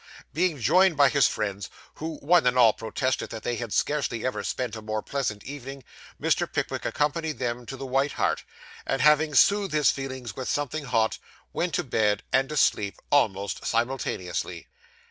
Being joined by his friends, who one and all protested that they had scarcely ever spent a more pleasant evening, Mr. Pickwick accompanied them to the White Hart, and having soothed his feelings with something hot, went to bed, and to sleep, almost simultaneously.